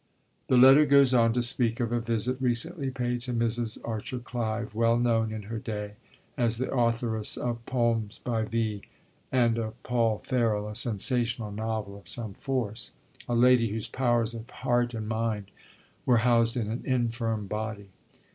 The letter goes on to speak of a visit recently paid to Mrs. Archer Clive, well known in her day as the authoress of Poems by V. and of Paul Ferroll, a sensational novel of some force, a lady whose powers of heart and mind were housed in an infirm body.